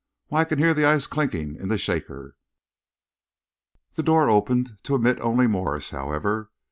Why, I can hear the ice chinking in the shaker!" The door opened to admit only Morse, however.